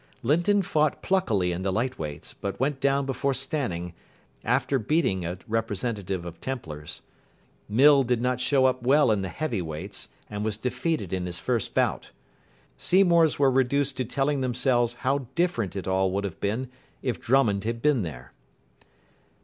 Linton fought pluckily in the Light Weights, but went down before Stanning, after beating a representative of Templar's. Mill did not show up well in the Heavy Weights, and was defeated in his first bout. Seymour's were reduced to telling themselves how different it all would have been if Drummond had been there.